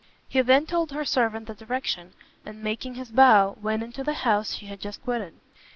He then told her servant the direction, and, making his bow, went into the house she had just quitted.